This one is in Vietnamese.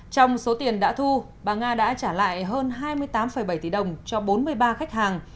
trong số tiền đã thu bà nga đã trả lại hơn hai mươi tám bảy tỷ đồng cho bốn mươi ba khách hàng